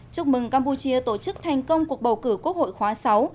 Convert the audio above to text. chúc mừng campuchia tổ chức thành công cuộc bầu cử quốc hội khóa sáu